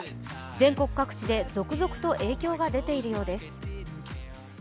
全国各地で続々と影響が出ているようです。